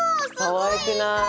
かわいくない？